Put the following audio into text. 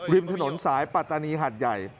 ริมถนนสายปัตตานีหัดใหญ่